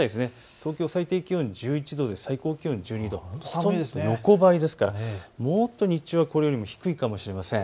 東京、最低気温１１度で最高気温１２度、横ばいですからもっと日中はこれよりも低いかもしれません。